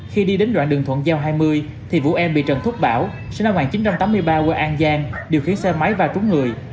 khi đi đến đoạn đường thuận giao hai mươi thì vụ em bị trần thuốc bảo sinh năm một nghìn chín trăm tám mươi ba quê an giang điều khiển xe máy và trúng người